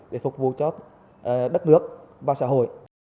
để phục vụ cho đất nước và xã hội